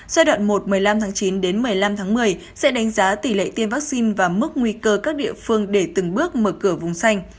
giai đoạn một một mươi năm tháng chín đến một mươi năm tháng một mươi sẽ đánh giá tỷ lệ tiêm vaccine và mức nguy cơ các địa phương để từng bước mở cửa vùng xanh